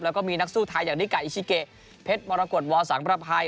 แล้วก็มีนักสู้ไทยอย่างริกาอิชิเกะเพชรมรกฏวอสังประภัย